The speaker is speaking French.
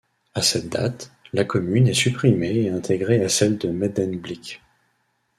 À cette date, la commune est supprimée et intégrée à celle de Medemblik.